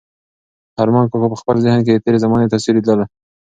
ارمان کاکا په خپل ذهن کې د تېرې زمانې تصویرونه لیدل.